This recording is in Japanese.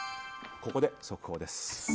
ここで速報です。